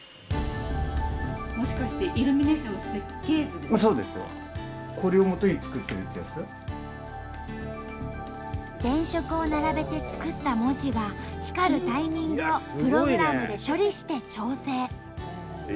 もしかして電飾を並べて作った文字は光るタイミングをプログラムで処理して調整。